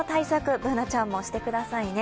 Ｂｏｏｎａちゃんもしてくださいね。